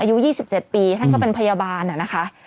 อายุ๒๗ปีท่านก็เป็นพยาบาลนะคะ